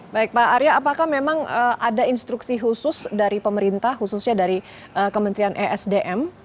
baik pak arya apakah memang ada instruksi khusus dari pemerintah khususnya dari kementerian esdm